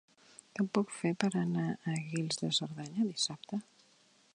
Com ho puc fer per anar a Guils de Cerdanya dissabte?